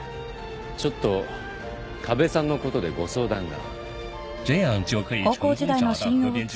ちょっと河辺さんのことでご相談が